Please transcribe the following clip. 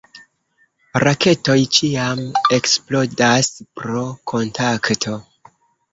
Raketoj ĉiam eksplodas pro kontakto.